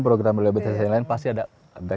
program rehabilitasi yang lain pasti ada